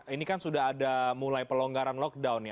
ini kan sudah ada mulai pelonggaran lockdown ya